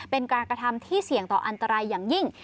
เป็นการกระทำที่เสี่ยงต่ออันตรายอย่างยิ่ง